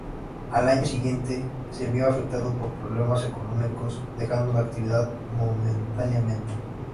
Al año siguiente, se vio afectado por problemas económicos, dejando la actividad momentáneamente.